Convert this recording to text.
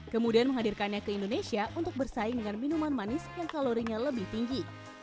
kemudian menghadirkannya ke indonesia untuk bersaing dengan minuman manis yang kalorinya lebih tinggi